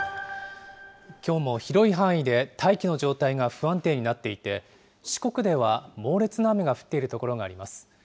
きょうも広い範囲で大気の状態が不安定になっていて、四国では猛烈な雨が降っている所があります。